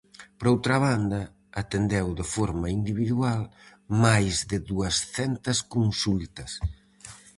Por outra banda, atendeu de forma individual máis de duascentas consultas.